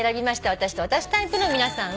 私と私タイプの皆さんは。